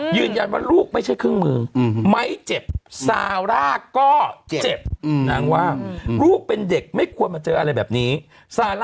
หัวใหม่หัวเก่าเอาเงินให้หัวเก่า